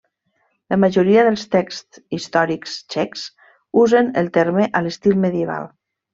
La majoria dels texts històrics txecs usen el terme a l'estil medieval.